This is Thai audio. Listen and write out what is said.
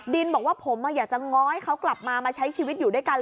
ดินบอกว่าผมอยากจะง้อให้เขากลับมามาใช้ชีวิตอยู่ด้วยกัน